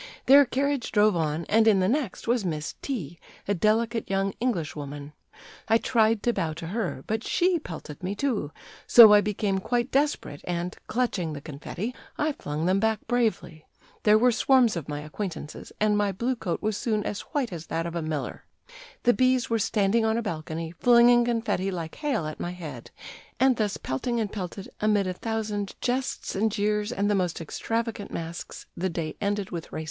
Their carriage drove on, and in the next was Miss T , a delicate young English woman. I tried to bow to her, but she pelted me, too; so I became quite desperate, and, clutching the confetti, I flung them back bravely. There were swarms of my acquaintances, and my blue coat was soon as white as that of a miller. The B s were standing on a balcony, flinging confetti like hail at my head; and thus pelting and pelted, amid a thousand jests and jeers and the most extravagant masks, the day ended with races."